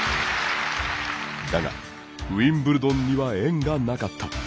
だが、ウィンブルドンには縁がなかった。